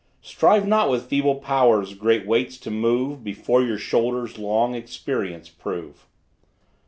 Strive not with feeble powers great weights to move, Before your shoulders long experience prove.